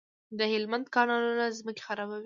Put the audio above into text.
د هلمند کانالونه ځمکې خړوبوي.